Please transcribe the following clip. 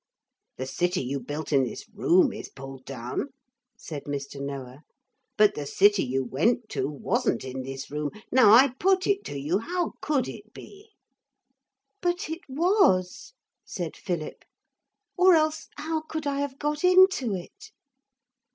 'The city you built in this room is pulled down,' said Mr. Noah, 'but the city you went to wasn't in this room. Now I put it to you how could it be?' 'But it was,' said Philip, 'or else how could I have got into it.'